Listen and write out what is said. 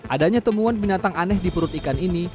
adanya temuan binatang aneh di perut ikan ini